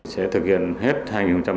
chúng tôi sẽ thực hiện